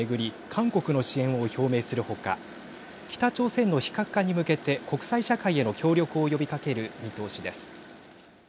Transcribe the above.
韓国の支援を表明するほか北朝鮮の非核化に向けて国際社会への協力を呼びかける見通しです。